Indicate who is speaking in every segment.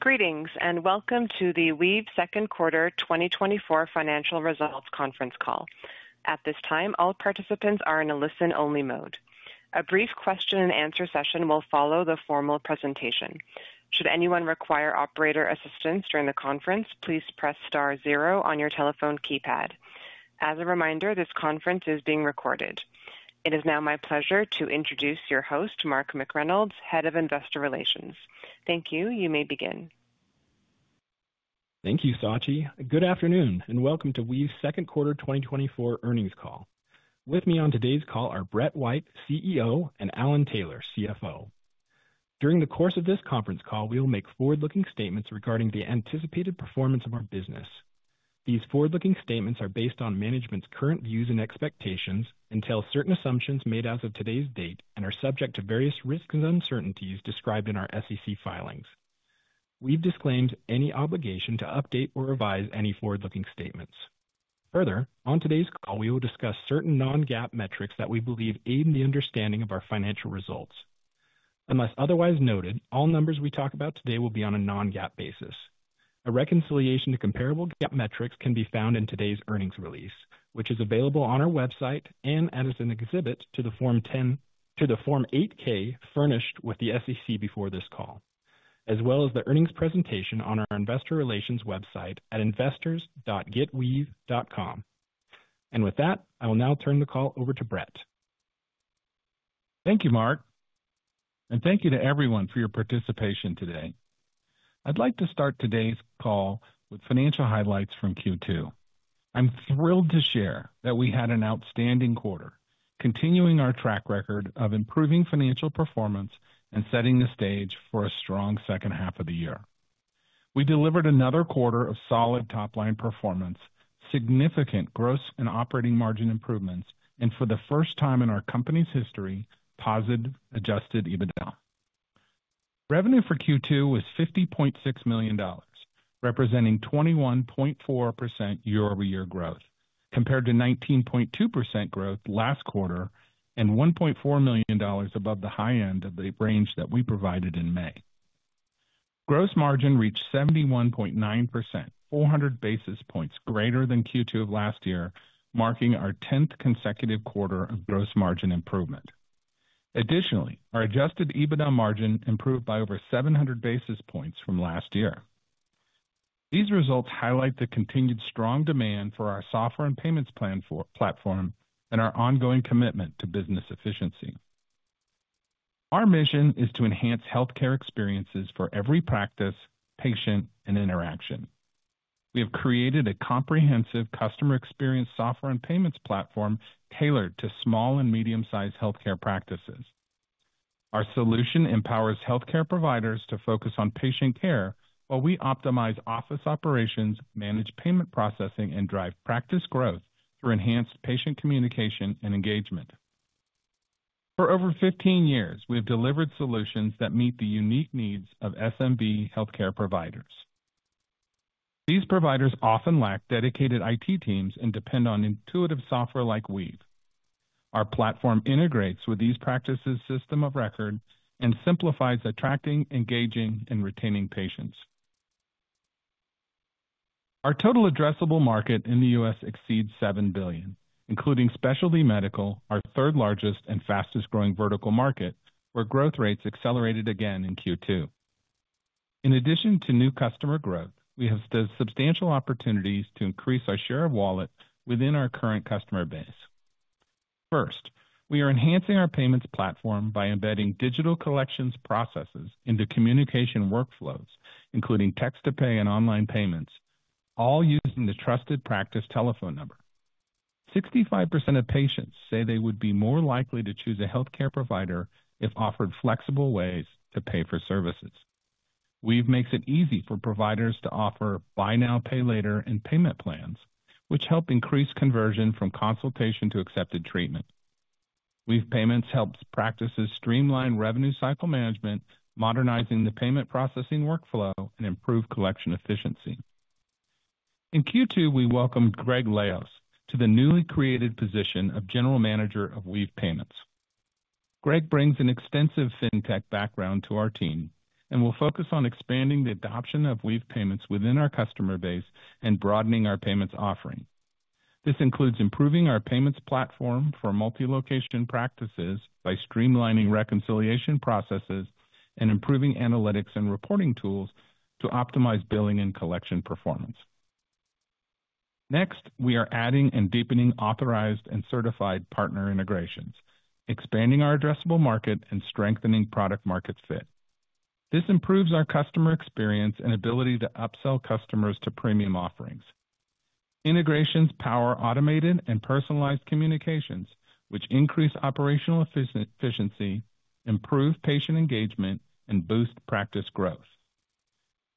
Speaker 1: Greetings and welcome to the Weave Second Quarter 2024 Financial Results Conference Call. At this time, all participants are in a listen-only mode. A brief question-and-answer session will follow the formal presentation. Should anyone require operator assistance during the conference, please press star zero on your telephone keypad. As a reminder, this conference is being recorded. It is now my pleasure to introduce your host, Mark McReynolds, Head of Investor Relations. Thank you. You may begin.
Speaker 2: Thank you, Sachi. Good afternoon and welcome to Weave Second Quarter 2024 Earnings Call. With me on today's call are Brett White, CEO, and Alan Taylor, CFO. During the course of this conference call, we will make forward-looking statements regarding the anticipated performance of our business. These forward-looking statements are based on management's current views and expectations and entail certain assumptions made as of today's date and are subject to various risks and uncertainties described in our SEC filings. We've disclaimed any obligation to update or revise any forward-looking statements. Further, on today's call, we will discuss certain non-GAAP metrics that we believe aid in the understanding of our financial results. Unless otherwise noted, all numbers we talk about today will be on a non-GAAP basis. A reconciliation to comparable GAAP metrics can be found in today's earnings release, which is available on our website and as an exhibit to the Form 8-K furnished with the SEC before this call, as well as the earnings presentation on our Investor Relations website at investors.weave.com. With that, I will now turn the call over to Brett.
Speaker 3: Thank you, Mark, and thank you to everyone for your participation today. I'd like to start today's call with financial highlights from Q2. I'm thrilled to share that we had an outstanding quarter, continuing our track record of improving financial performance and setting the stage for a strong second half of the year. We delivered another quarter of solid top-line performance, significant gross and operating margin improvements, and for the first time in our company's history, positive Adjusted EBITDA. Revenue for Q2 was $50.6 million, representing 21.4% year-over-year growth, compared to 19.2% growth last quarter and $1.4 million above the high end of the range that we provided in May. Gross margin reached 71.9%, 400 basis points greater than Q2 of last year, marking our 10th consecutive quarter of gross margin improvement. Additionally, our Adjusted EBITDA margin improved by over 700 basis points from last year. These results highlight the continued strong demand for our software and payments platform and our ongoing commitment to business efficiency. Our mission is to enhance healthcare experiences for every practice, patient, and interaction. We have created a comprehensive customer experience software and payments platform tailored to small and medium-sized healthcare practices. Our solution empowers healthcare providers to focus on patient care while we optimize office operations, manage payment processing, and drive practice growth through enhanced patient communication and engagement. For over 15 years, we have delivered solutions that meet the unique needs of SMB healthcare providers. These providers often lack dedicated IT teams and depend on intuitive software like Weave. Our platform integrates with these practices' system of record and simplifies attracting, engaging, and retaining patients. Our total addressable market in the U.S. Exceeds $7 billion, including specialty medical, our third largest and fastest-growing vertical market, where growth rates accelerated again in Q2. In addition to new customer growth, we have substantial opportunities to increase our share of wallet within our current customer base. First, we are enhancing our payments platform by embedding digital collections processes into communication workflows, including text-to-pay and online payments, all using the trusted practice telephone number. 65% of patients say they would be more likely to choose a healthcare provider if offered flexible ways to pay for services. Weave makes it easy for providers to offer buy now, pay later and payment plans, which help increase conversion from consultation to accepted treatment. Weave Payments helps practices streamline revenue cycle management, modernizing the payment processing workflow and improve collection efficiency. In Q2, we welcomed Greg Leos to the newly created position of General Manager of Weave Payments. Greg Leos brings an extensive fintech background to our team and will focus on expanding the adoption of Weave Payments within our customer base and broadening our payments offering. This includes improving our payments platform for multi-location practices by streamlining reconciliation processes and improving analytics and reporting tools to optimize billing and collection performance. Next, we are adding and deepening authorized and certified partner integrations, expanding our addressable market and strengthening product-market fit. This improves our customer experience and ability to upsell customers to premium offerings. Integrations power automated and personalized communications, which increase operational efficiency, improve patient engagement, and boost practice growth.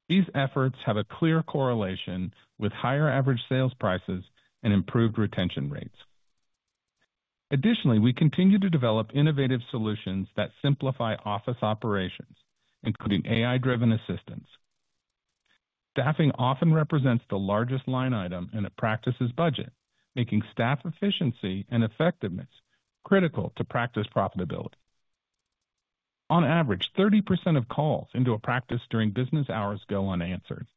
Speaker 3: These efforts have a clear correlation with higher average sales prices and improved retention rates. Additionally, we continue to develop innovative solutions that simplify office operations, including AI-driven assistance. Staffing often represents the largest line item in a practice's budget, making staff efficiency and effectiveness critical to practice profitability. On average, 30% of calls into a practice during business hours go unanswered.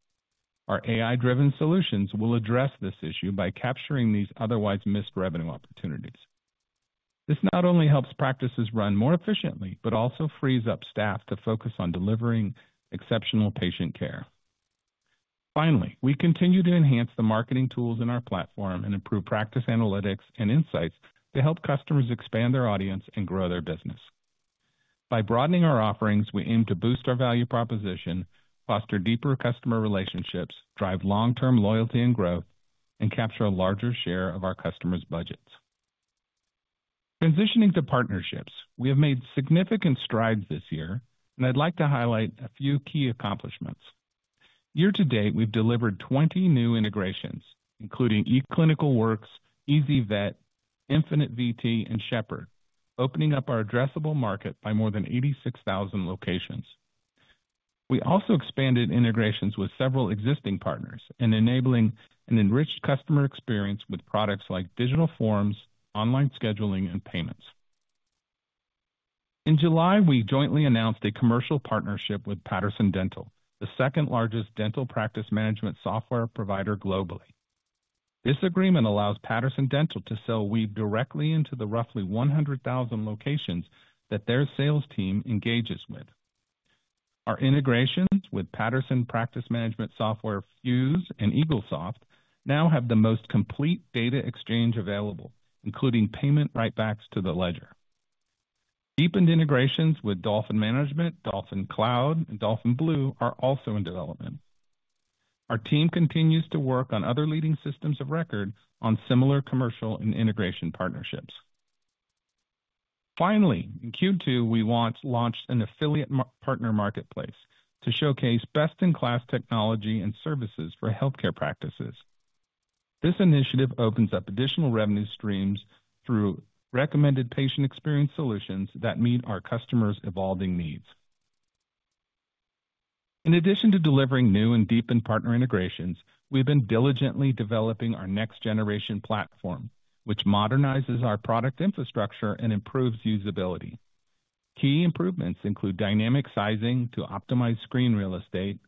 Speaker 3: Our AI-driven solutions will address this issue by capturing these otherwise missed revenue opportunities. This not only helps practices run more efficiently, but also frees up staff to focus on delivering exceptional patient care. Finally, we continue to enhance the marketing tools in our platform and improve practice analytics and insights to help customers expand their audience and grow their business. By broadening our offerings, we aim to boost our value proposition, foster deeper customer relationships, drive long-term loyalty and growth, and capture a larger share of our customers' budgets. Transitioning to partnerships, we have made significant strides this year, and I'd like to highlight a few key accomplishments. Year to date, we've delivered 20 new integrations, including eClinicalWorks, ezyVet, InfiniteVT, and Shepherd, opening up our addressable market by more than 86,000 locations. We also expanded integrations with several existing partners and enabling an enriched customer experience with products like digital forms, online scheduling, and payments. In July, we jointly announced a commercial partnership with Patterson Dental, the second largest dental practice management software provider globally. This agreement allows Patterson Dental to sell Weave directly into the roughly 100,000 locations that their sales team engages with. Our integrations with Patterson practice management software Fuse and Eaglesoft now have the most complete data exchange available, including payment writebacks to the ledger. Deepened integrations with Dolphin Management, Dolphin Cloud, and Dolphin Blue are also in development. Our team continues to work on other leading systems of record on similar commercial and integration partnerships. Finally, in Q2, we launched an affiliate partner marketplace to showcase best-in-class technology and services for healthcare practices. This initiative opens up additional revenue streams through recommended patient experience solutions that meet our customers' evolving needs. In addition to delivering new and deepened partner integrations, we've been diligently developing our next-generation platform, which modernizes our product infrastructure and improves usability. Key improvements include dynamic sizing to optimize screen real estate,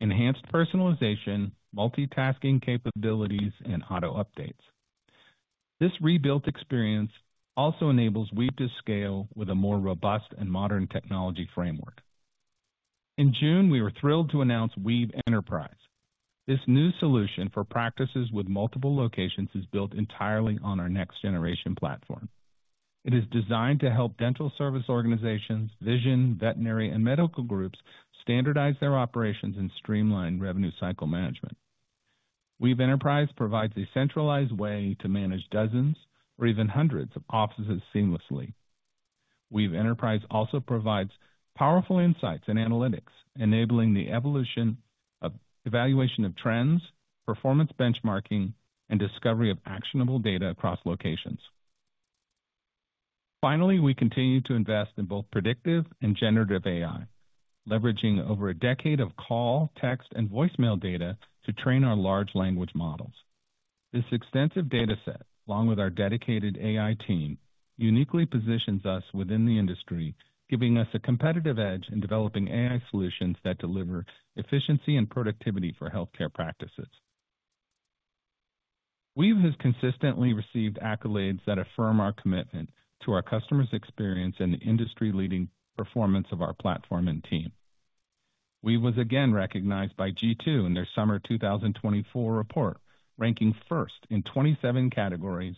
Speaker 3: enhanced personalization, multitasking capabilities, and auto updates. This rebuilt experience also enables Weave to scale with a more robust and modern technology framework. In June, we were thrilled to announce Weave Enterprise. This new solution for practices with multiple locations is built entirely on our next-generation platform. It is designed to help dental service organizations, vision, veterinary, and medical groups standardize their operations and streamline revenue cycle management. Weave Enterprise provides a centralized way to manage dozens or even hundreds of offices seamlessly. Weave Enterprise also provides powerful insights and analytics, enabling the evolution of evaluation of trends, performance benchmarking, and discovery of actionable data across locations. Finally, we continue to invest in both predictive and generative AI, leveraging over a decade of call, text, and voicemail data to train our large language models. This extensive data set, along with our dedicated AI team, uniquely positions us within the industry, giving us a competitive edge in developing AI solutions that deliver efficiency and productivity for healthcare practices. Weave has consistently received accolades that affirm our commitment to our customers' experience and the industry-leading performance of our platform and team. Weave was again recognized by G2 in their Summer 2024 report, ranking first in 27 categories,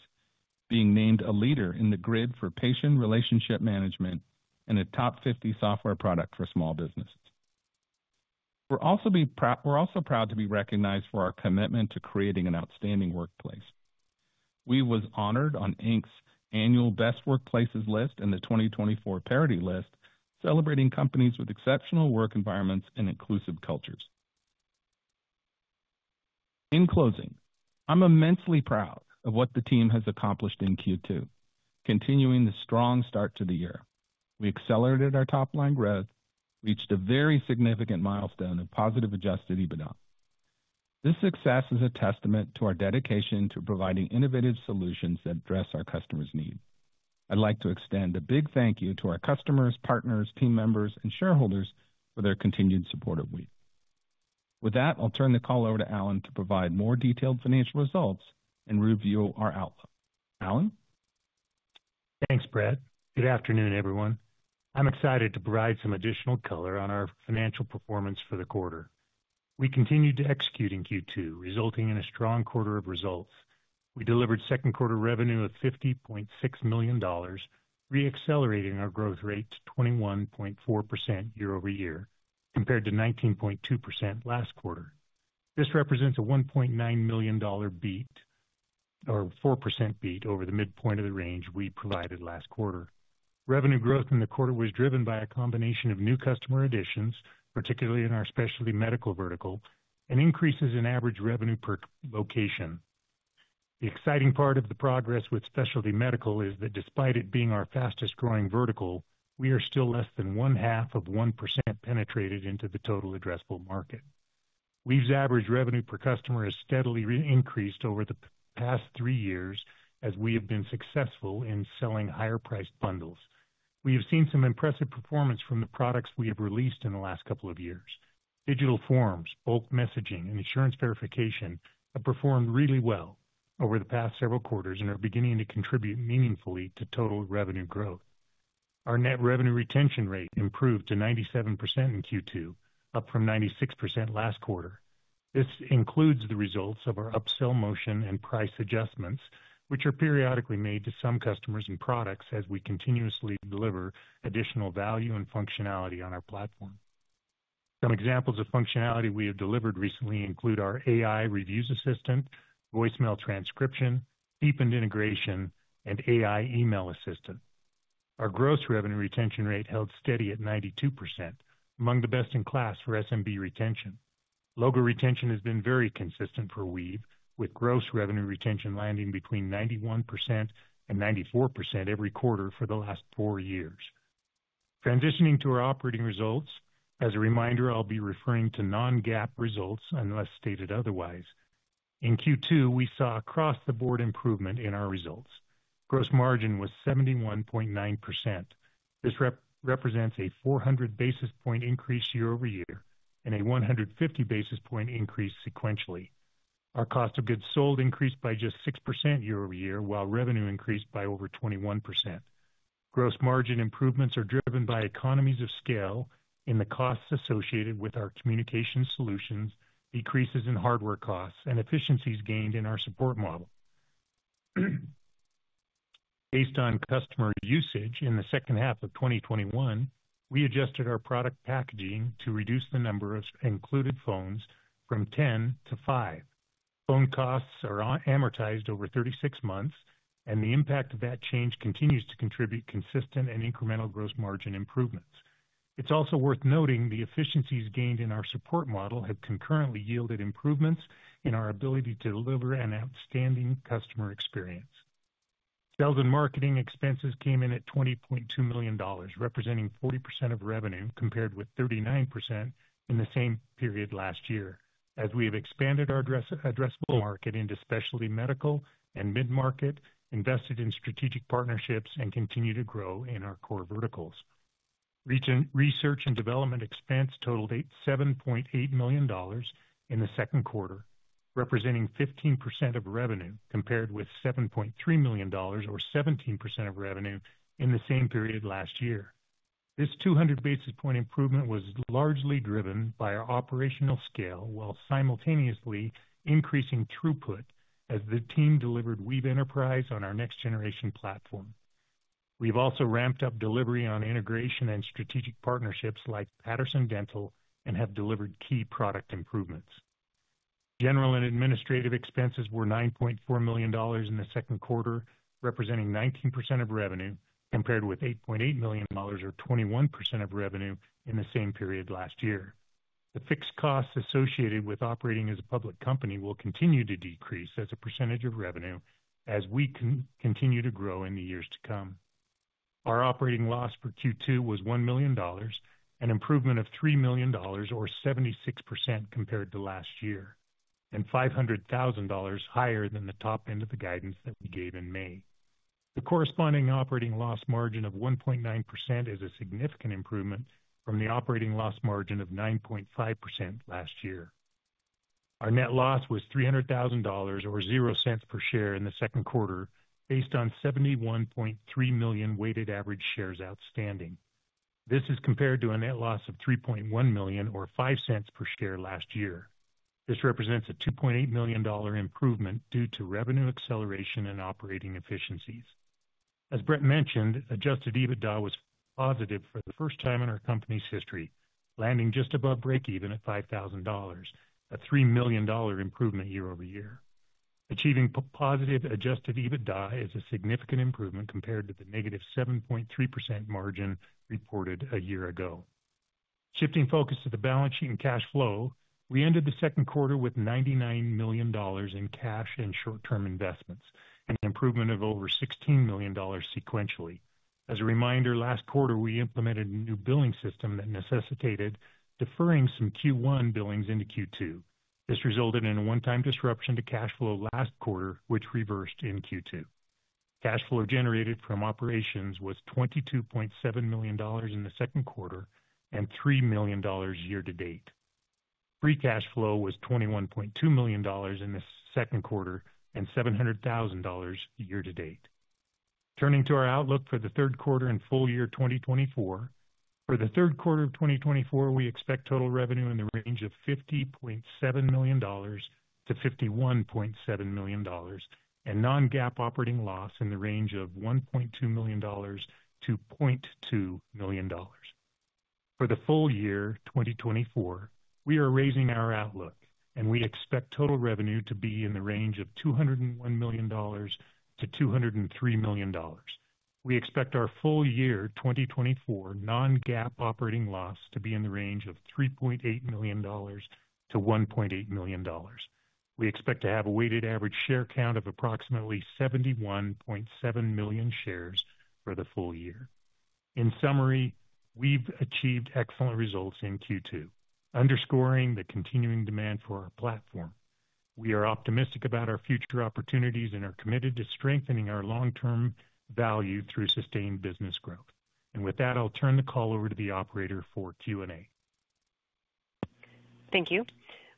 Speaker 3: being named a leader in the grid for patient relationship management and a top 50 software product for small businesses. We're also proud to be recognized for our commitment to creating an outstanding workplace. Weave was honored on Inc.'s annual Best Workplaces list and the 2024 Parity List, celebrating companies with exceptional work environments and inclusive cultures. In closing, I'm immensely proud of what the team has accomplished in Q2, continuing the strong start to the year. We accelerated our top-line growth, reached a very significant milestone of positive Adjusted EBITDA. This success is a testament to our dedication to providing innovative solutions that address our customers' needs. I'd like to extend a big thank you to our customers, partners, team members, and shareholders for their continued support of Weave. With that, I'll turn the call over to Alan to provide more detailed financial results and review our outlook. Alan?
Speaker 4: Thanks, Brett. Good afternoon, everyone. I'm excited to provide some additional color on our financial performance for the quarter. We continued to execute in Q2, resulting in a strong quarter of results. We delivered second-quarter revenue of $50.6 million, re-accelerating our growth rate to 21.4% year-over-year, compared to 19.2% last quarter. This represents a $1.9 million beat or 4% beat over the midpoint of the range we provided last quarter. Revenue growth in the quarter was driven by a combination of new customer additions, particularly in our specialty medical vertical, and increases in average revenue per location. The exciting part of the progress with specialty medical is that despite it being our fastest-growing vertical, we are still less than 0.5% penetrated into the total addressable market. Weave's average revenue per customer has steadily increased over the past three years as we have been successful in selling higher-priced bundles. We have seen some impressive performance from the products we have released in the last couple of years. Digital Forms, bulk messaging, and Insurance Verification have performed really well over the past several quarters and are beginning to contribute meaningfully to total revenue growth. Our net revenue retention rate improved to 97% in Q2, up from 96% last quarter. This includes the results of our upsell motion and price adjustments, which are periodically made to some customers and products as we continuously deliver additional value and functionality on our platform. Some examples of functionality we have delivered recently include our AI reviews assistant, voicemail transcription, deepened integration, and AI email assistant. Our gross revenue retention rate held steady at 92%, among the best in class for SMB retention. Logo retention has been very consistent for Weave, with gross revenue retention landing between 91% and 94% every quarter for the last four years. Transitioning to our operating results, as a reminder, I'll be referring to non-GAAP results unless stated otherwise. In Q2, we saw across-the-board improvement in our results. Gross margin was 71.9%. This represents a 400 basis point increase year-over-year and a 150 basis point increase sequentially. Our cost of goods sold increased by just 6% year-over-year, while revenue increased by over 21%. Gross margin improvements are driven by economies of scale in the costs associated with our communication solutions, decreases in hardware costs, and efficiencies gained in our support model. Based on customer usage in the second half of 2021, we adjusted our product packaging to reduce the number of included phones from 10 to 5. Phone costs are amortized over 36 months, and the impact of that change continues to contribute consistent and incremental gross margin improvements. It's also worth noting the efficiencies gained in our support model have concurrently yielded improvements in our ability to deliver an outstanding customer experience. Sales and marketing expenses came in at $20.2 million, representing 40% of revenue compared with 39% in the same period last year, as we have expanded our addressable market into specialty medical and mid-market, invested in strategic partnerships, and continued to grow in our core verticals. Research and development expense totaled $7.8 million in the second quarter, representing 15% of revenue compared with $7.3 million or 17% of revenue in the same period last year. This 200 basis point improvement was largely driven by our operational scale while simultaneously increasing throughput as the team delivered Weave Enterprise on our next-generation platform. We have also ramped up delivery on integration and strategic partnerships like Patterson Dental and have delivered key product improvements. General and administrative expenses were $9.4 million in the second quarter, representing 19% of revenue compared with $8.8 million or 21% of revenue in the same period last year. The fixed costs associated with operating as a public company will continue to decrease as a percentage of revenue as we continue to grow in the years to come. Our operating loss for Q2 was $1 million, an improvement of $3 million or 76% compared to last year, and $500,000 higher than the top end of the guidance that we gave in May. The corresponding operating loss margin of 1.9% is a significant improvement from the operating loss margin of 9.5% last year. Our net loss was $300,000 or $0.00 per share in the second quarter, based on 71.3 million weighted average shares outstanding. This is compared to a net loss of $3.1 million or $0.05 per share last year. This represents a $2.8 million improvement due to revenue acceleration and operating efficiencies. As Brett mentioned, Adjusted EBITDA was positive for the first time in our company's history, landing just above breakeven at $5,000, a $3 million improvement year-over-year. Achieving positive Adjusted EBITDA is a significant improvement compared to the negative 7.3% margin reported a year ago. Shifting focus to the balance sheet and cash flow, we ended the second quarter with $99 million in cash and short-term investments, an improvement of over $16 million sequentially. As a reminder, last quarter, we implemented a new billing system that necessitated deferring some Q1 billings into Q2. This resulted in a one-time disruption to cash flow last quarter, which reversed in Q2. Cash flow generated from operations was $22.7 million in the second quarter and $3 million year-to-date. Free cash flow was $21.2 million in the second quarter and $700,000 year-to-date. Turning to our outlook for the third quarter and full year 2024, for the third quarter of 2024, we expect total revenue in the range of $50.7 million-$51.7 million and non-GAAP operating loss in the range of $1.2 million-$0.2 million. For the full year 2024, we are raising our outlook, and we expect total revenue to be in the range of $201 million-$203 million. We expect our full year 2024 non-GAAP operating loss to be in the range of $3.8 million-$1.8 million. We expect to have a weighted average share count of approximately 71.7 million shares for the full year. In summary, we've achieved excellent results in Q2, underscoring the continuing demand for our platform. We are optimistic about our future opportunities and are committed to strengthening our long-term value through sustained business growth. With that, I'll turn the call over to the operator for Q&A.
Speaker 1: Thank you.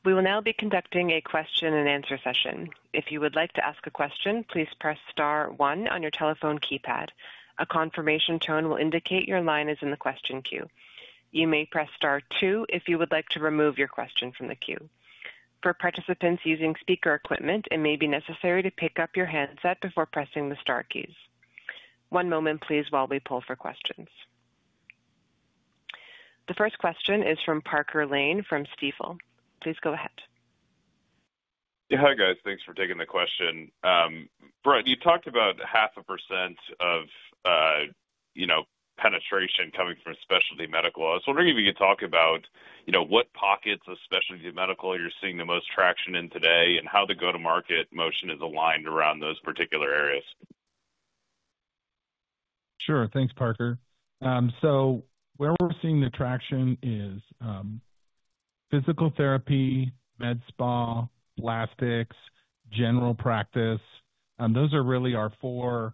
Speaker 1: We will now be conducting a question-and-answer session. If you would like to ask a question, please press Star 1 on your telephone keypad. A confirmation tone will indicate your line is in the question queue. You may press Star 2 if you would like to remove your question from the queue. For participants using speaker equipment, it may be necessary to pick up your handset before pressing the Star keys. One moment, please, while we pull for questions. The first question is from Parker Lane from Stifel. Please go ahead.
Speaker 5: Yeah, hi, guys. Thanks for taking the question. Brett, you talked about 0.5% of penetration coming from specialty medical. I was wondering if you could talk about what pockets of specialty medical you're seeing the most traction in today and how the go-to-market motion is aligned around those particular areas.
Speaker 3: Sure. Thanks, Parker. So where we're seeing the traction is physical therapy, med spa, plastics, general practice. Those are really our four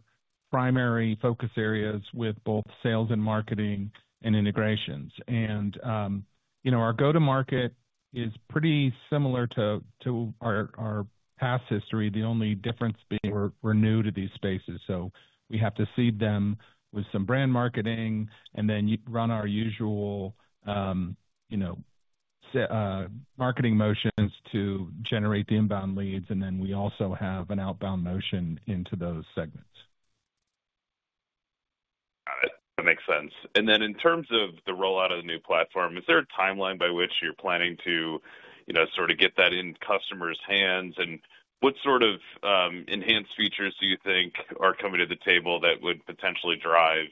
Speaker 3: primary focus areas with both sales and marketing and integrations. Our go-to-market is pretty similar to our past history, the only difference being we're new to these spaces. So we have to seed them with some brand marketing and then run our usual marketing motions to generate the inbound leads. And then we also have an outbound motion into those segments.
Speaker 5: Got it. That makes sense. And then in terms of the rollout of the new platform, is there a timeline by which you're planning to sort of get that in customers' hands? And what sort of enhanced features do you think are coming to the table that would potentially drive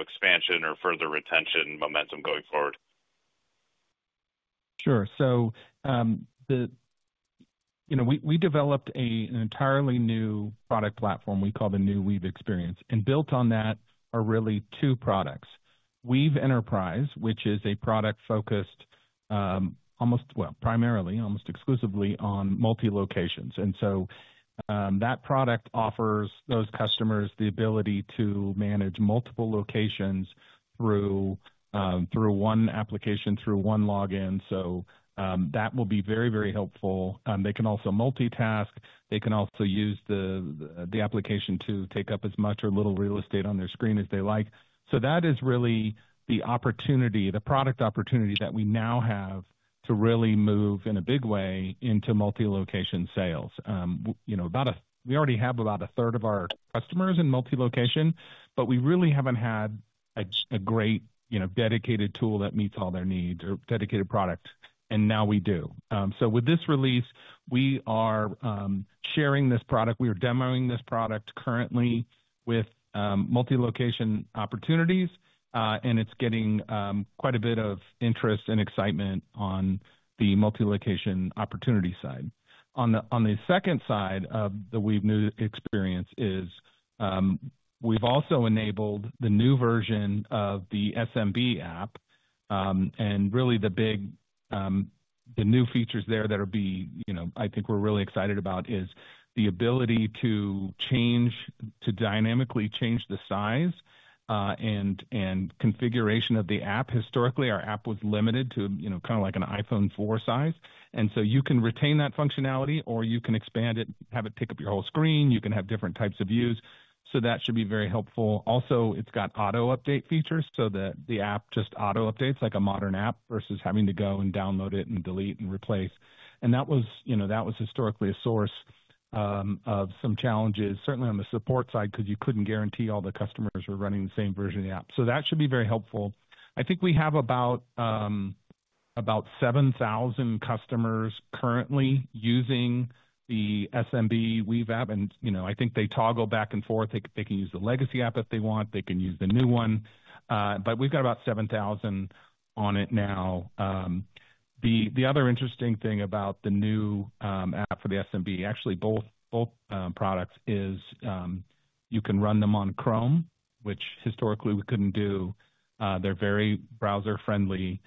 Speaker 5: expansion or further retention momentum going forward?
Speaker 3: Sure. So we developed an entirely new product platform we call the new Weave Experience. Built on that are really two products. Weave Enterprise, which is a product focused almost, well, primarily, almost exclusively on multi-locations. So that product offers those customers the ability to manage multiple locations through one application, through one login. So that will be very, very helpful. They can also multitask. They can also use the application to take up as much or little real estate on their screen as they like. So that is really the opportunity, the product opportunity that we now have to really move in a big way into multi-location sales. We already have about a third of our customers in multi-location, but we really haven't had a great dedicated tool that meets all their needs or dedicated product. And now we do. So with this release, we are sharing this product. We are demoing this product currently with multi-location opportunities, and it's getting quite a bit of interest and excitement on the multi-location opportunity side. On the second side of the Weave Experience is we've also enabled the new version of the SMB app. Really, the new features there that I think we're really excited about is the ability to dynamically change the size and configuration of the app. Historically, our app was limited to kind of like an iPhone 4 size. And so you can retain that functionality, or you can expand it, have it take up your whole screen. You can have different types of views. So that should be very helpful. Also, it's got auto-update features so that the app just auto-updates like a modern app versus having to go and download it and delete and replace. That was historically a source of some challenges, certainly on the support side because you couldn't guarantee all the customers were running the same version of the app. So that should be very helpful. I think we have about 7,000 customers currently using the SMB Weave app. And I think they toggle back and forth. They can use the legacy app if they want. They can use the new one. But we've got about 7,000 on it now. The other interesting thing about the new app for the SMB, actually both products, is you can run them on Chrome, which historically we couldn't do. They're very browser-friendly,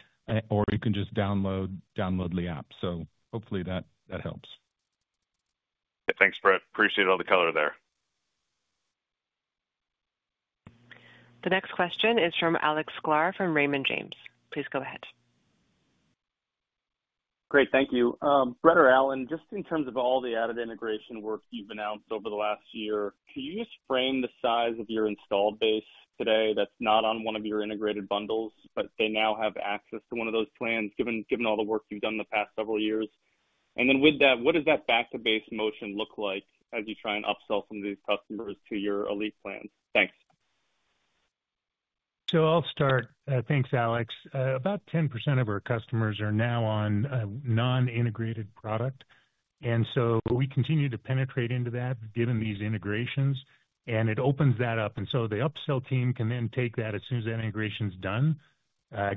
Speaker 3: or you can just download the app. So hopefully that helps.
Speaker 5: Thanks, Brett. Appreciate all the color there.
Speaker 1: The next question is from Alex Sklar from Raymond James. Please go ahead.
Speaker 6: Great. Thank you. Brett or Alan, just in terms of all the added integration work you've announced over the last year, can you just frame the size of your installed base today that's not on one of your integrated bundles, but they now have access to one of those plans given all the work you've done the past several years? And then with that, what does that back-to-base motion look like as you try and upsell some of these customers to your elite plans? Thanks.
Speaker 4: So I'll start. Thanks, Alex. About 10% of our customers are now on a non-integrated product. And so we continue to penetrate into that given these integrations, and it opens that up. And so the upsell team can then take that as soon as that integration's done,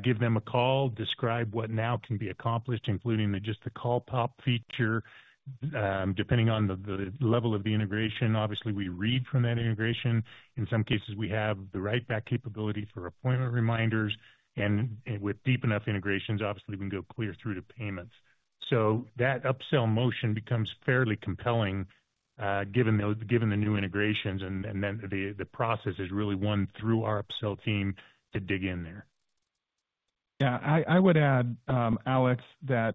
Speaker 4: give them a call, describe what now can be accomplished, including just the call pop feature. Depending on the level of the integration, obviously, we read from that integration. In some cases, we have the write-back capability for appointment reminders. And with deep enough integrations, obviously, we can go clear through to payments. So that upsell motion becomes fairly compelling given the new integrations. And then the process is really one through our upsell team to dig in there.
Speaker 3: Yeah. I would add, Alex, that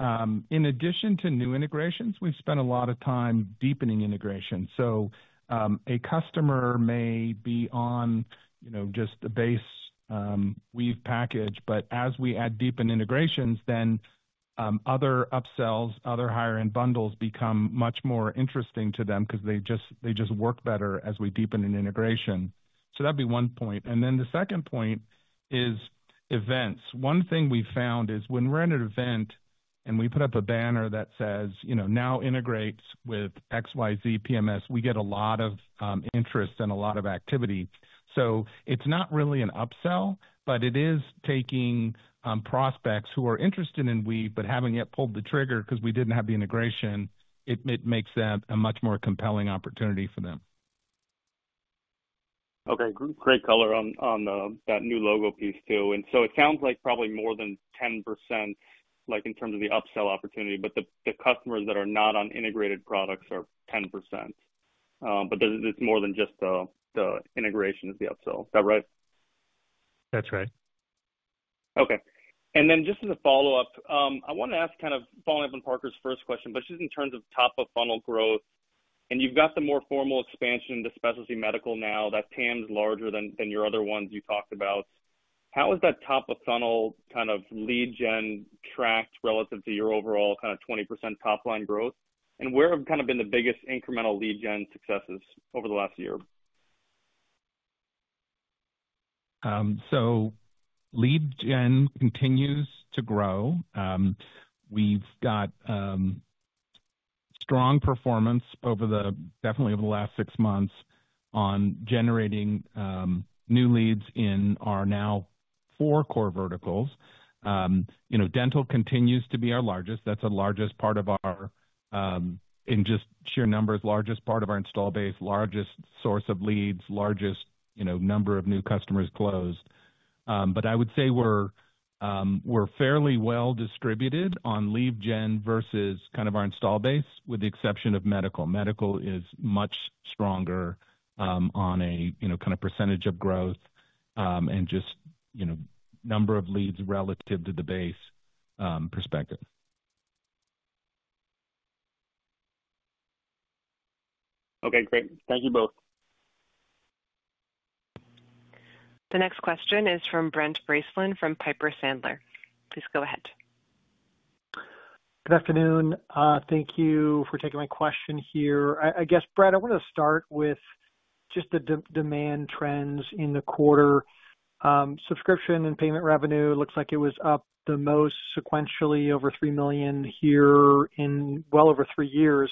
Speaker 3: in addition to new integrations, we've spent a lot of time deepening integrations. So a customer may be on just the base Weave package, but as we add deepened integrations, then other upsells, other higher-end bundles become much more interesting to them because they just work better as we deepen an integration. So that'd be one point. And then the second point is events. One thing we've found is when we're at an event and we put up a banner that says, "Now integrates with XYZ PMS," we get a lot of interest and a lot of activity. So it's not really an upsell, but it is taking prospects who are interested in Weave but haven't yet pulled the trigger because we didn't have the integration. It makes that a much more compelling opportunity for them.
Speaker 6: Okay. Great color on that new logo piece too. And so it sounds like probably more than 10% in terms of the upsell opportunity, but the customers that are not on integrated products are 10%. But it's more than just the integration is the upsell. Is that right?
Speaker 3: That's right.
Speaker 6: Okay. And then, just as a follow-up, I want to ask kind of following up on Parker's first question, but just in terms of top-of-funnel growth. And you've got the more formal expansion into specialty medical now. That PAM's larger than your other ones you talked about. How has that top-of-funnel kind of lead gen tracked relative to your overall kind of 20% top-line growth? And where have kind of been the biggest incremental lead gen successes over the last year?
Speaker 3: So lead gen continues to grow. We've got strong performance definitely over the last six months on generating new leads in our now four core verticals. Dental continues to be our largest. That's the largest part of our, in just sheer numbers, largest part of our install base, largest source of leads, largest number of new customers closed. But I would say we're fairly well distributed on lead gen versus kind of our install base with the exception of medical. Medical is much stronger on a kind of percentage of growth and just number of leads relative to the base perspective.
Speaker 6: Okay. Great. Thank you both.
Speaker 1: The next question is from Brent Bracelin from Piper Sandler. Please go ahead.
Speaker 7: Good afternoon. Thank you for taking my question here. I guess, Brett, I want to start with just the demand trends in the quarter. Subscription and payment revenue looks like it was up the most sequentially over $3 million here in well over 3 years.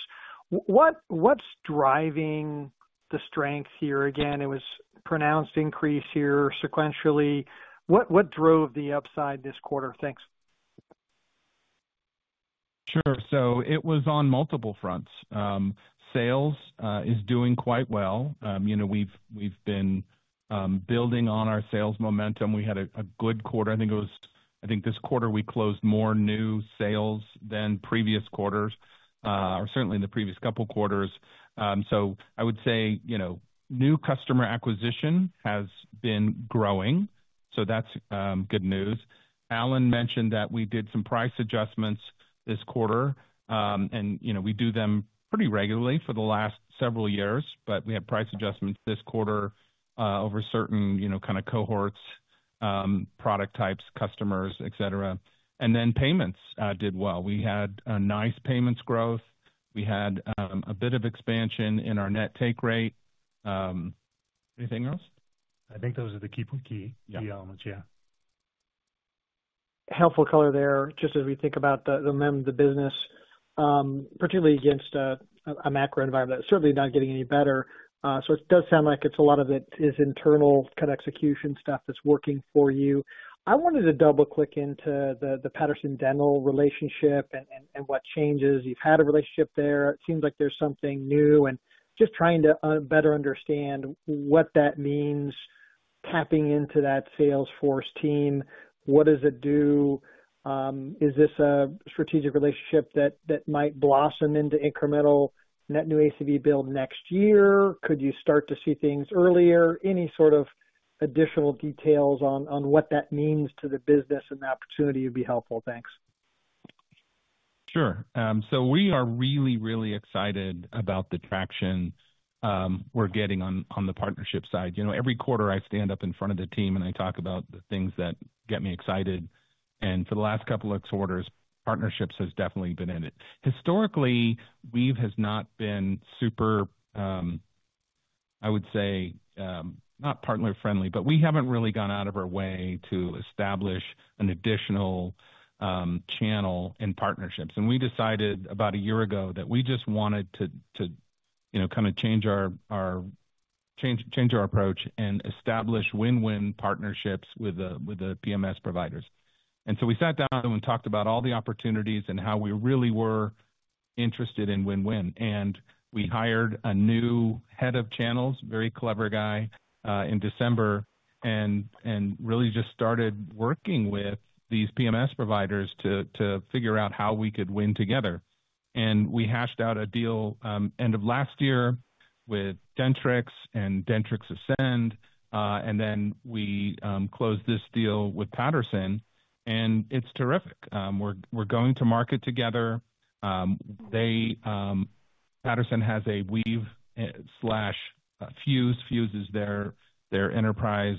Speaker 7: What's driving the strength here? Again, it was pronounced increase here sequentially. What drove the upside this quarter? Thanks.
Speaker 3: Sure. So it was on multiple fronts. Sales is doing quite well. We've been building on our sales momentum. We had a good quarter. I think this quarter we closed more new sales than previous quarters, or certainly in the previous couple of quarters. So I would say new customer acquisition has been growing. So that's good news. Alan mentioned that we did some price adjustments this quarter. And we do them pretty regularly for the last several years, but we had price adjustments this quarter over certain kind of cohorts, product types, customers, etc. And then payments did well. We had a nice payments growth. We had a bit of expansion in our net take rate. Anything else?
Speaker 4: I think those are the key elements, yeah.
Speaker 7: Helpful color there just as we think about the business, particularly against a macro environment that's certainly not getting any better. So it does sound like a lot of it is internal kind of execution stuff that's working for you. I wanted to double-click into the Patterson Dental relationship and what changes. You've had a relationship there. It seems like there's something new. Just trying to better understand what that means, tapping into that Salesforce team. What does it do? Is this a strategic relationship that might blossom into incremental net new ACV build next year? Could you start to see things earlier? Any sort of additional details on what that means to the business and the opportunity would be helpful. Thanks.
Speaker 3: Sure. So we are really, really excited about the traction we're getting on the partnership side. Every quarter, I stand up in front of the team and I talk about the things that get me excited. For the last couple of quarters, partnerships has definitely been in it. Historically, Weave has not been super, I would say, not partner-friendly, but we haven't really gone out of our way to establish an additional channel in partnerships. We decided about a year ago that we just wanted to kind of change our approach and establish win-win partnerships with the PMS providers. So we sat down and talked about all the opportunities and how we really were interested in win-win. We hired a new head of channels, very clever guy, in December and really just started working with these PMS providers to figure out how we could win together. We hashed out a deal end of last year with Dentrix and Dentrix Ascend. Then we closed this deal with Patterson. And it's terrific. We're going to market together. Patterson has a Weave/Fuse. Fuse is their enterprise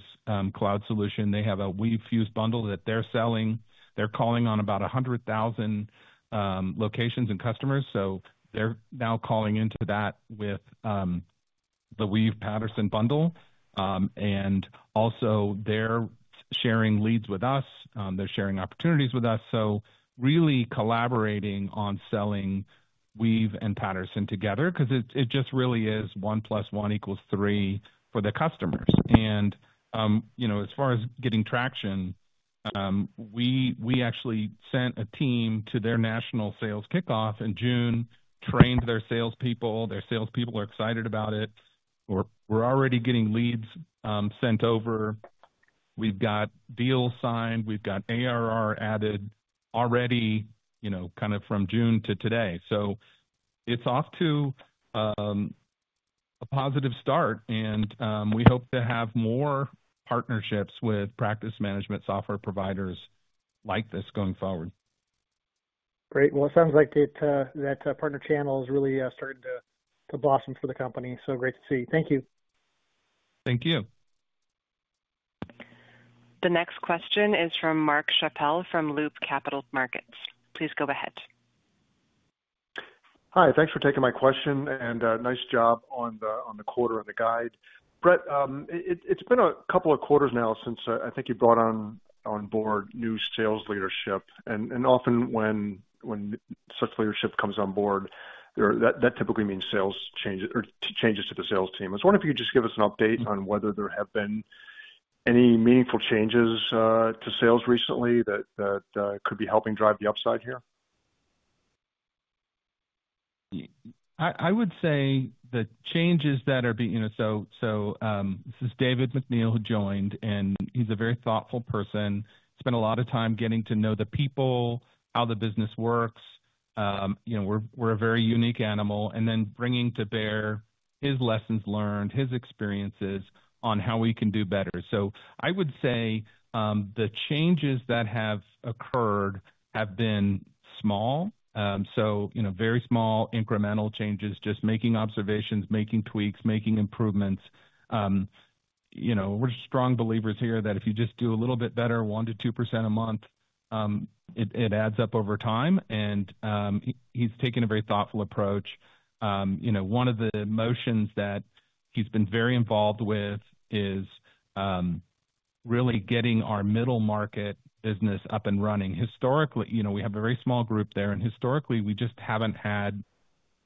Speaker 3: cloud solution. They have a Weave/Fuse bundle that they're selling. They're calling on about 100,000 locations and customers. So they're now calling into that with the Weave/Patterson bundle. And also, they're sharing leads with us. They're sharing opportunities with us. So really collaborating on selling Weave and Patterson together because it just really is one plus one equals three for the customers. And as far as getting traction, we actually sent a team to their national sales kickoff in June, trained their salespeople. Their salespeople are excited about it. We're already getting leads sent over. We've got deals signed. We've got ARR added already kind of from June to today. It's off to a positive start. We hope to have more partnerships with practice management software providers like this going forward.
Speaker 7: Great. Well, it sounds like that partner channel has really started to blossom for the company. So great to see. Thank you.
Speaker 3: Thank you.
Speaker 1: The next question is from Mark Schappel from Loop Capital Markets. Please go ahead.
Speaker 8: Hi. Thanks for taking my question and nice job on the quarter and the guide. Brett, it's been a couple of quarters now since I think you brought on board new sales leadership. And often when such leadership comes on board, that typically means changes to the sales team. I was wondering if you could just give us an update on whether there have been any meaningful changes to sales recently that could be helping drive the upside here.
Speaker 3: I would say the changes that are being—so this is David McNeil who joined, and he's a very thoughtful person. Spent a lot of time getting to know the people, how the business works. We're a very unique animal. And then bringing to bear his lessons learned, his experiences on how we can do better. So I would say the changes that have occurred have been small. So very small incremental changes, just making observations, making tweaks, making improvements. We're strong believers here that if you just do a little bit better, 1%-2% a month, it adds up over time. And he's taken a very thoughtful approach. One of the motions that he's been very involved with is really getting our middle market business up and running. Historically, we have a very small group there. Historically, we just haven't had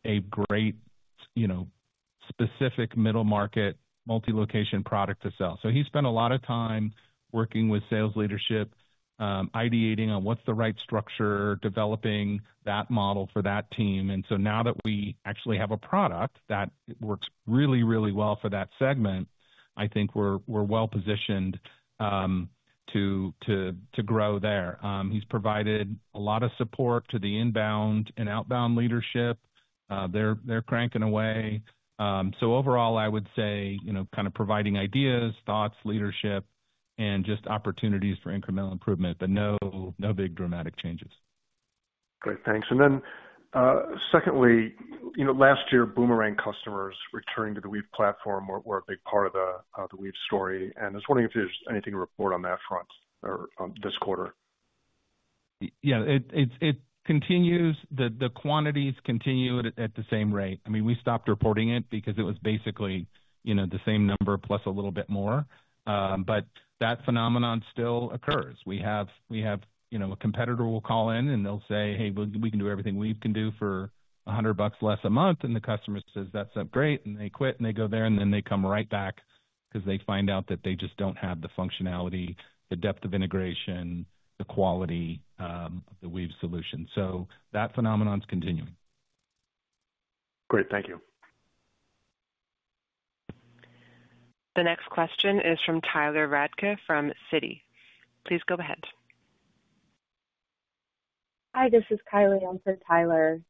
Speaker 3: a great specific middle market multi-location product to sell. So he spent a lot of time working with sales leadership, ideating on what's the right structure, developing that model for that team. And so now that we actually have a product that works really, really well for that segment, I think we're well positioned to grow there. He's provided a lot of support to the inbound and outbound leadership. They're cranking away. So overall, I would say kind of providing ideas, thoughts, leadership, and just opportunities for incremental improvement, but no big dramatic changes.
Speaker 8: Great. Thanks. Then secondly, last year, Boomerang customers returning to the Weave platform were a big part of the Weave story. I was wondering if there's anything to report on that front this quarter.
Speaker 3: Yeah. It continues. The quantities continue at the same rate. I mean, we stopped reporting it because it was basically the same number plus a little bit more. But that phenomenon still occurs. We have a competitor will call in, and they'll say, "Hey, we can do everything Weave can do for $100 less a month." And the customer says, "That's great." And they quit, and they go there, and then they come right back because they find out that they just don't have the functionality, the depth of integration, the quality of the Weave solution. So that phenomenon's continuing.
Speaker 8: Great. Thank you.
Speaker 1: The next question is from Tyler Radke from Citi. Please go ahead.
Speaker 9: Hi, this is Kylie. I'm for Tyler.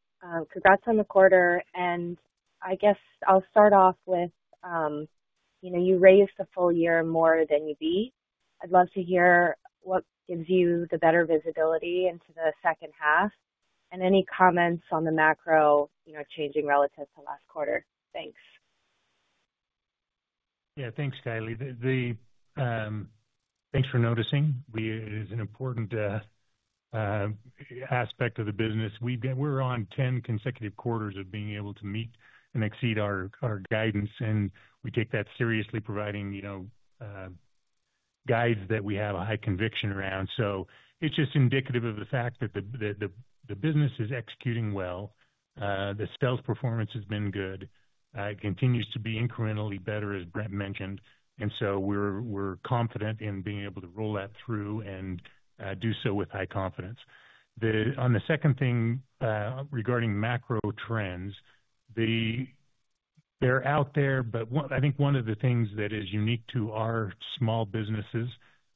Speaker 9: Congrats on the quarter. I guess I'll start off with you raised the full year more than you be. I'd love to hear what gives you the better visibility into the second half and any comments on the macro changing relative to last quarter. Thanks.
Speaker 3: Yeah. Thanks, Kylie. Thanks for noticing. It is an important aspect of the business. We're on 10 consecutive quarters of being able to meet and exceed our guidance. And we take that seriously, providing guides that we have a high conviction around. So it's just indicative of the fact that the business is executing well. The sales performance has been good. It continues to be incrementally better, as Brett mentioned. And so we're confident in being able to roll that through and do so with high confidence. On the second thing regarding macro trends, they're out there. But I think one of the things that is unique to our small businesses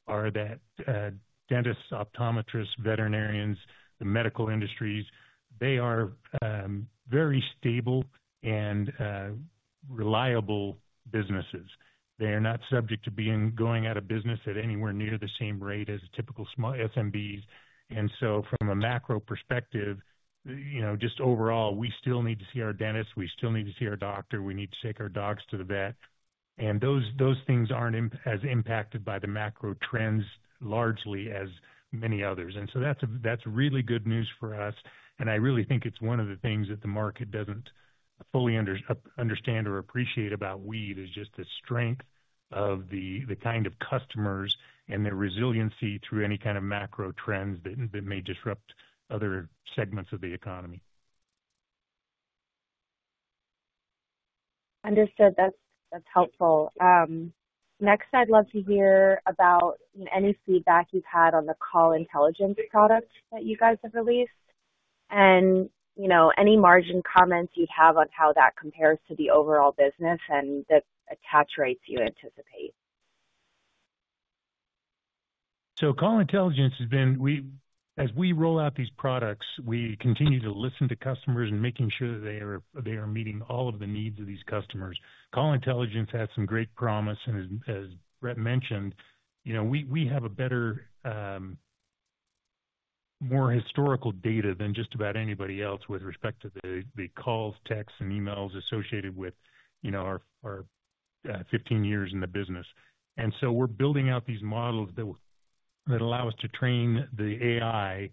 Speaker 3: are that dentists, optometrists, veterinarians, the medical industries, they are very stable and reliable businesses. They are not subject to going out of business at anywhere near the same rate as typical SMBs. So from a macro perspective, just overall, we still need to see our dentists. We still need to see our doctor. We need to take our dogs to the vet. Those things aren't as impacted by the macro trends largely as many others. So that's really good news for us. I really think it's one of the things that the market doesn't fully understand or appreciate about Weave is just the strength of the kind of customers and their resiliency through any kind of macro trends that may disrupt other segments of the economy.
Speaker 9: Understood. That's helpful. Next, I'd love to hear about any feedback you've had on the Call Intelligence product that you guys have released and any margin comments you'd have on how that compares to the overall business and the attach rates you anticipate.
Speaker 3: So Call Intelligence has been, as we roll out these products, we continue to listen to customers and making sure that they are meeting all of the needs of these customers. Call Intelligence has some great promise. And as Brett mentioned, we have more historical data than just about anybody else with respect to the calls, texts, and emails associated with our 15 years in the business. And so we're building out these models that allow us to train the AI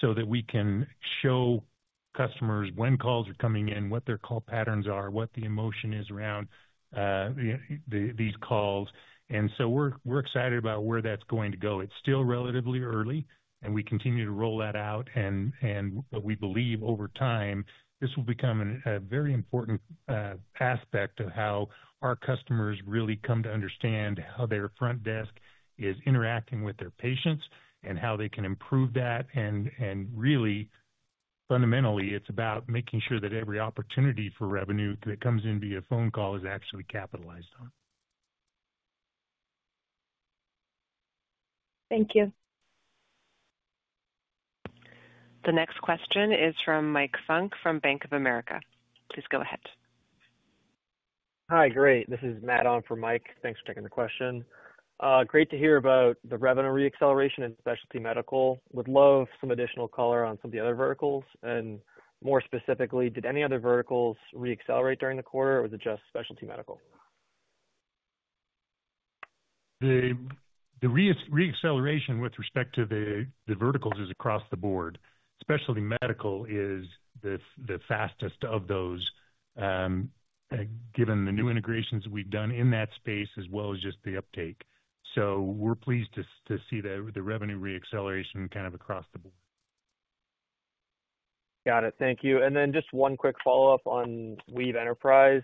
Speaker 3: so that we can show customers when calls are coming in, what their call patterns are, what the emotion is around these calls. And so we're excited about where that's going to go. It's still relatively early, and we continue to roll that out. We believe over time, this will become a very important aspect of how our customers really come to understand how their front desk is interacting with their patients and how they can improve that. Really, fundamentally, it's about making sure that every opportunity for revenue that comes in via phone call is actually capitalized on.
Speaker 9: Thank you.
Speaker 1: The next question is from Mike Funk from Bank of America. Please go ahead.
Speaker 10: Hi, great. This is Matt on for Mike. Thanks for taking the question. Great to hear about the revenue re-acceleration in specialty medical. Would love some additional color on some of the other verticals. More specifically, did any other verticals re-accelerate during the quarter, or was it just specialty medical?
Speaker 3: The re-acceleration with respect to the verticals is across the board. Specialty medical is the fastest of those given the new integrations we've done in that space as well as just the uptake. So we're pleased to see the revenue re-acceleration kind of across the board.
Speaker 10: Got it. Thank you. And then just one quick follow-up on Weave Enterprise.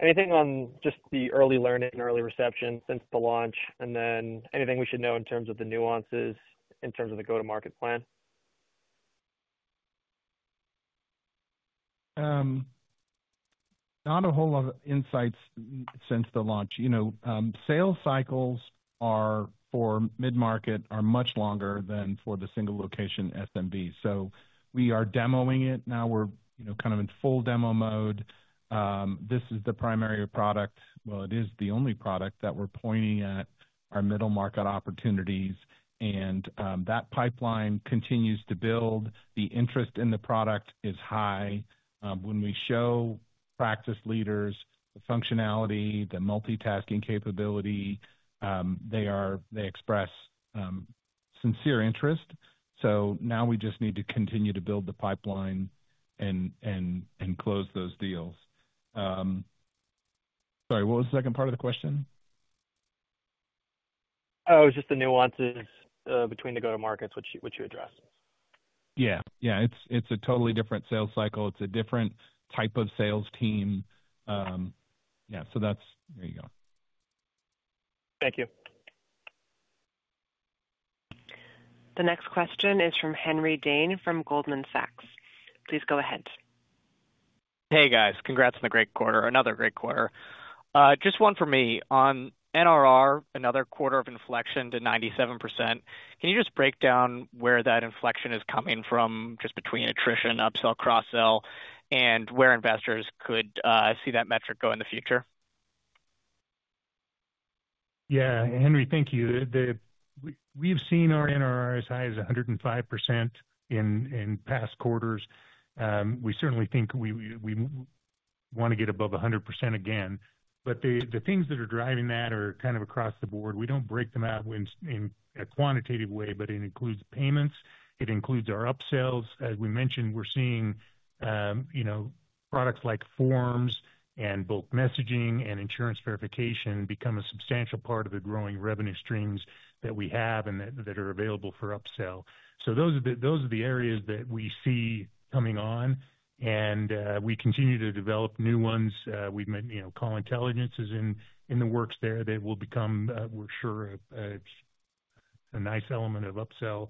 Speaker 10: Anything on just the early learning, early reception since the launch? And then anything we should know in terms of the nuances in terms of the go-to-market plan?
Speaker 3: Not a whole lot of insights since the launch. Sales cycles for mid-market are much longer than for the single location SMB. So we are demoing it now. We're kind of in full demo mode. This is the primary product. Well, it is the only product that we're pointing at our middle market opportunities. And that pipeline continues to build. The interest in the product is high. When we show practice leaders the functionality, the multitasking capability, they express sincere interest. So now we just need to continue to build the pipeline and close those deals. Sorry, what was the second part of the question?
Speaker 10: Oh, it was just the nuances between the go-to-markets, which you addressed.
Speaker 3: Yeah. Yeah. It's a totally different sales cycle. It's a different type of sales team. Yeah. So there you go.
Speaker 10: Thank you.
Speaker 1: The next question is from Henry Dane from Goldman Sachs. Please go ahead.
Speaker 11: Hey, guys. Congrats on the great quarter. Another great quarter. Just one for me. On NRR, another quarter of inflection to 97%. Can you just break down where that inflection is coming from just between attrition, upsell, cross-sell, and where investors could see that metric go in the future?
Speaker 3: Yeah. Henry, thank you. We've seen our NRR as high as 105% in past quarters. We certainly think we want to get above 100% again. But the things that are driving that are kind of across the board. We don't break them out in a quantitative way, but it includes payments. It includes our upsells. As we mentioned, we're seeing products like forms and both messaging and insurance verification become a substantial part of the growing revenue streams that we have and that are available for upsell. So those are the areas that we see coming on. And we continue to develop new ones. Call Intelligence is in the works there. They will become, we're sure, a nice element of upsell.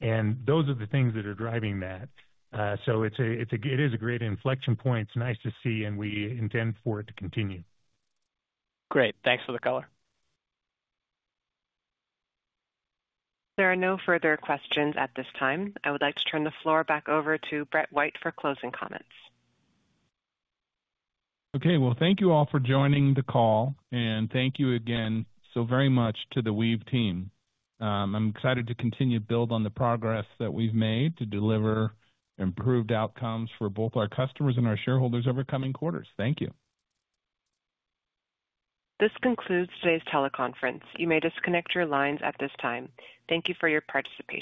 Speaker 3: And those are the things that are driving that. So it is a great inflection point. It's nice to see, and we intend for it to continue.
Speaker 11: Great. Thanks for the color.
Speaker 1: There are no further questions at this time. I would like to turn the floor back over to Brett White for closing comments.
Speaker 3: Okay. Well, thank you all for joining the call. Thank you again so very much to the Weave team. I'm excited to continue to build on the progress that we've made to deliver improved outcomes for both our customers and our shareholders overcoming quarters. Thank you.
Speaker 1: This concludes today's teleconference. You may disconnect your lines at this time. Thank you for your participation.